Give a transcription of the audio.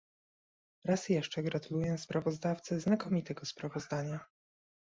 Raz jeszcze gratuluję sprawozdawcy znakomitego sprawozdania